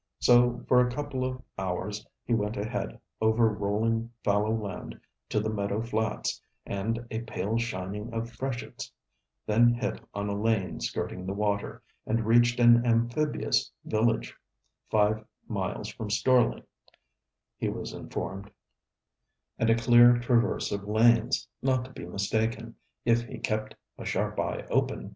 So for a couple of hours he went ahead over rolling fallow land to the meadow flats and a pale shining of freshets; then hit on a lane skirting the water, and reached an amphibious village; five miles from Storling, he was informed, and a clear traverse of lanes, not to be mistaken, 'if he kept a sharp eye open.'